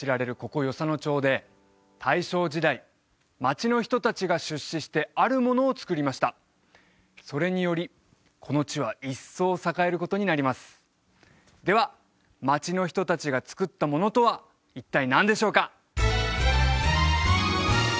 ここ与謝野町で大正時代町の人達が出資してあるものをつくりましたそれによりこの地は一層栄えることになりますでは町の人達がつくったものとは一体何でしょうか？